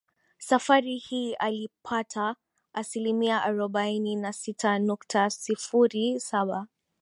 Safari hii alipata asilimia arobaini na sita nukta sifuri saba